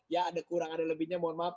ya ada kurang ada lebihnya mohon maaf